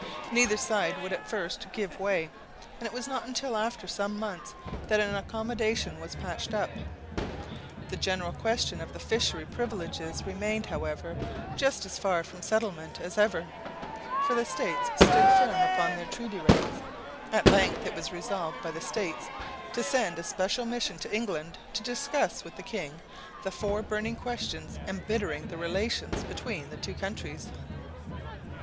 Neither side would at first give way, and it was not until after some months that an accommodation was patched up. The general question of the fishery privileges remained however just as far from settlement as ever, for the States stood firm upon their treaty rights. At length it was resolved by the States to send a special mission to England to discuss with the king the four burning questions embittering the relations between the two countries.